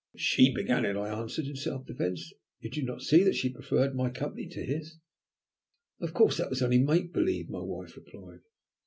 "But she began it," I answered in self defence. "Did you not see that she preferred my company to his?" "Of course that was only make believe," my wife replied.